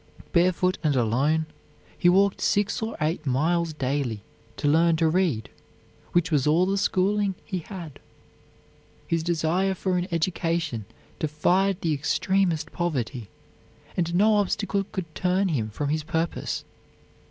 Barefoot and alone, he walked six or eight miles daily to learn to read, which was all the schooling he had. His desire for an education defied the extremest poverty, and no obstacle could turn him from his purpose.